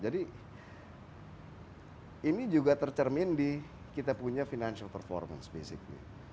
jadi ini juga tercermin di kita punya financial performance basically